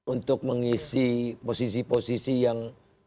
untuk mengisi posisi posisi yang